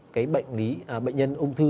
cái bệnh lý bệnh nhân ung thư